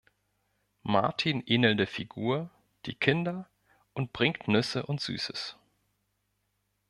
Martin ähnelnde Figur, die Kinder und bringt Nüsse und Süßes.